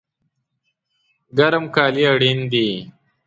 ګرم کالی اړین دي